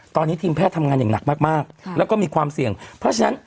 ตอนนี้ทีมแพทย์ทำงานอย่างหนักมากแล้วก็มีความเสี่ยงเพราะฉะนั้น